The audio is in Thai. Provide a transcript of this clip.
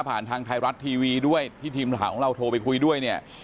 ทางไทยรัฐทีวีด้วยที่ทีมข่าวของเราโทรไปคุยด้วยเนี่ย